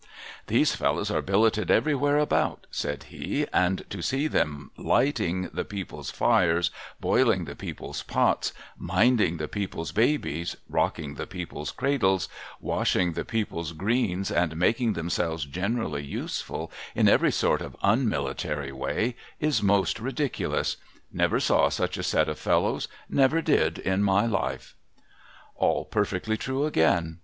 ' These fellows are billeted everywhere about,' said he ;' and to see them lighting the people's fires, boiling the people's pots, minding the people's babies, rocking the people's cradles, washing the people's greens, and making themselves generally useful, in every sort of unmilitary way, is most ridiculous ! Never saw such a set of fellows, — never did in my life !' All perfectly true again.